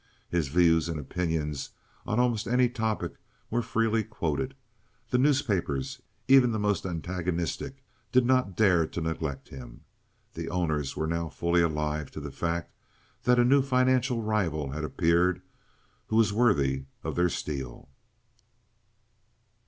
His views and opinions on almost any topic were freely quoted; the newspapers, even the most antagonistic, did not dare to neglect him. Their owners were now fully alive to the fact that a new financial rival had appeared who was worthy of their steel.